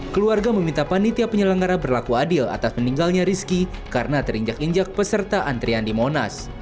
keluarga meminta panitia penyelenggara berlaku adil atas meninggalnya rizky karena terinjak injak peserta antrian di monas